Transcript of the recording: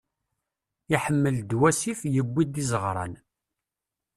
Iḥmel-d wasif, yuwi-d izeɣran.